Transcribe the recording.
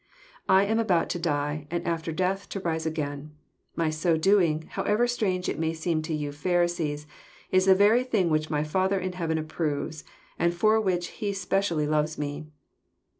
—" I am about to die, and after death to rise again. My so doing, however strange it may seem to you Pharisees, is the very thing which my Father in heaven approves, and for which He specially loves Me."